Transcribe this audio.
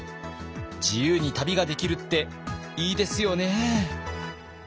自由に旅ができるっていいですよね！